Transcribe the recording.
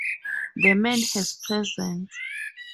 The man has presence.